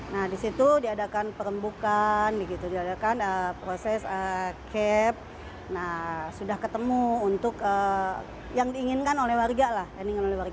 nah di situ diadakan perembukan diadakan proses cap sudah ketemu untuk yang diinginkan oleh warga